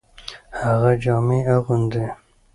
هغه جامي اغوندي .